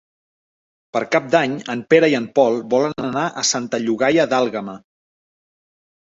Per Cap d'Any en Pere i en Pol volen anar a Santa Llogaia d'Àlguema.